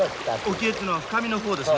沖へっていうのは深みの方ですね？